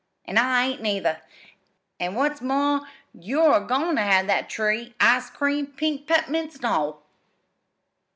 "An' I ain't, neither. An' what's more, you're a goin' ter have that tree ice cream, pink pep'mints, an' all!"